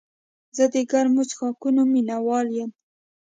زه د ګرمو څښاکونو مینه وال یم.